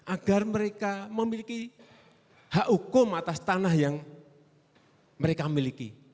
agar mereka memiliki hak hukum atas tanah yang mereka miliki